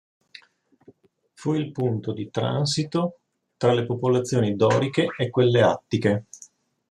Fu il punto di transito tra le popolazioni doriche e quelle attiche.